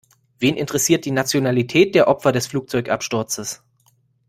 Wen interessiert die Nationalität der Opfer des Flugzeugabsturzes?